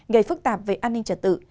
gây phức tạp về an ninh trật tự